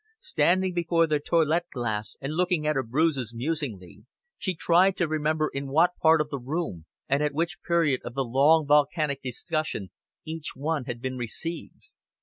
Standing before the toilet glass and looking at her bruises musingly, she tried to remember in what part of the room, and at which period of the long volcanic discussion, each one had been received.